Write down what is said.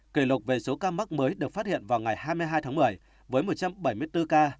kỷ lục về số ca mắc mới được phát hiện vào ngày hai mươi hai tháng một mươi với một trăm bảy mươi bốn ca